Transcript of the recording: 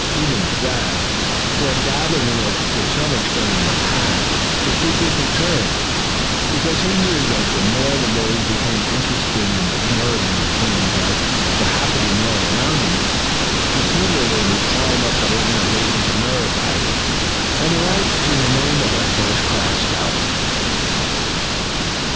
Even Thad, who had dabbled in it to some extent in the past, was deeply concerned; because he knew that the more these boys became interested in observing things that were happening all around them, the sooner they would climb up the ladder leading to merit badges, and a right to the name of a first class scout.